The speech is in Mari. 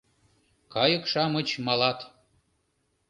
Кайык-шамыч малат